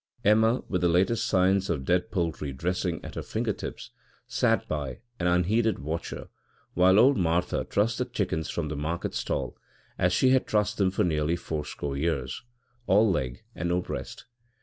Emma, with the latest science of dead poultry dressing at her finger tips, sat by, an unheeded watcher, while old Martha trussed the chickens for the market stall as she had trussed them for nearly four score years all leg and no breast.